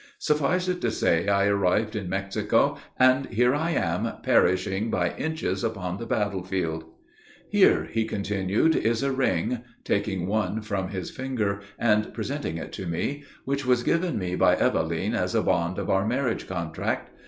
Suffice it to say I arrived in Mexico, and, here I am, perishing by inches upon the battle field. "Here," he continued, "is a ring," taking one from his finger, and presenting it to me, "which was given me by Eveline as a bond of our marriage contract.